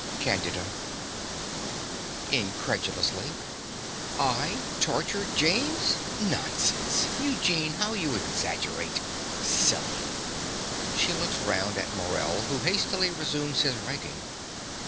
CANDIDA (incredulously). I torture James! Nonsense, Eugene: how you exaggerate! Silly! (She looks round at Morell, who hastily resumes his writing.